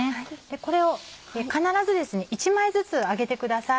これを必ず１枚ずつ揚げてください。